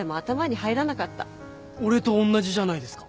俺とおんなじじゃないですか。